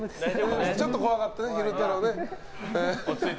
ちょっと怖かったね、昼太郎ね。